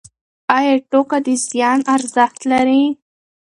ایا ټوکه د زیان ارزښت لري؟